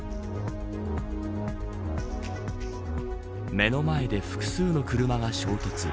目の前で複数の車が衝突。